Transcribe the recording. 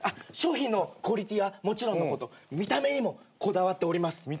商品のクオリティーはもちろんのこと見た目にもこだわっております。